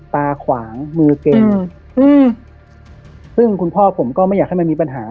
ตาขวางมือเก่งอืมซึ่งคุณพ่อผมก็ไม่อยากให้มันมีปัญหา